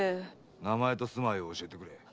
名前と住まいを教えてくれ。